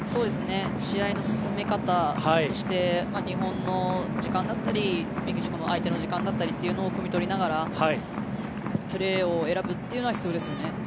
試合の進め方そして、日本の時間だったりメキシコの相手の時間だったりというのをくみ取りながらプレーを選ぶというのは必要ですよね。